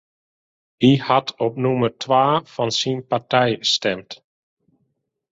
Hy hat op nûmer twa fan syn partij stimd.